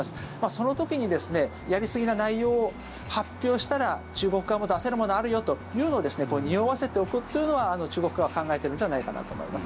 その時にやりすぎな内容を発表したら中国側も出せるものあるよというのをにおわせておくっていうのは中国側は考えてるんじゃないかなと思います。